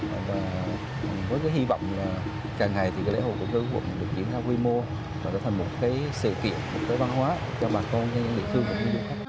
và với cái hy vọng là càng ngày thì cái lễ hậu cầu ngư cũng được diễn ra quy mô và nó thành một cái sự kiện một cái văn hóa cho bà con và những người thương